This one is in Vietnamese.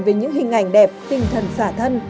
về những hình ảnh đẹp tinh thần xả thân